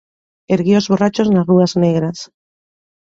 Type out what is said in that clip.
Erguía os borrachos nas rúas negras.